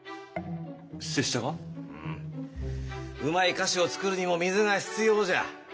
うまい菓子をつくるにも水が必要じゃ。